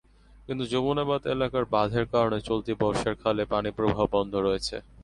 কিন্তু যমুনাবাদ এলাকার বাঁধের কারণে চলতি বর্ষায় খালে পানিপ্রবাহ বন্ধ রয়েছে।